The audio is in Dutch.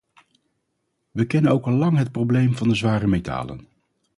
We kennen ook al lang het probleem van de zware metalen.